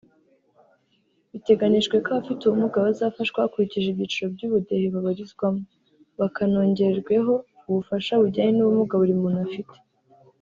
Biteganijwe ko abafite ubumuga bazafashwa hakurikijwe ibyiciro by’ubudehe babarizwamo bakanongererweho ubufasha bujyanye n’ubumuga buri muntu afite